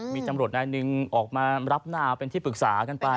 มีตำรวจนายหนึ่งออกมารับหน้าเป็นที่ปรึกษากันไป